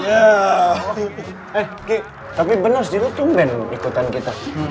eh ki tapi benar sih lo tumben ikutan kita